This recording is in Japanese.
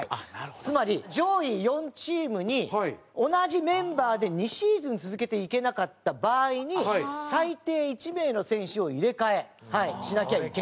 つまり上位４チームに同じメンバーで２シーズン続けていけなかった場合に最低１名の選手を入れ替えしなきゃいけない。